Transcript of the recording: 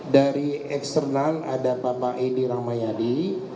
dari eksternal ada bapak edi rahmayadi